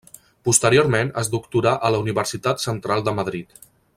Posteriorment es doctorà a la Universitat Central de Madrid.